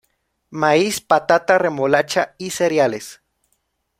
Maíz, patata, remolacha y cereales.